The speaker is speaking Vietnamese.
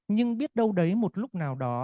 nhưng biết đâu đấy một lúc nào đó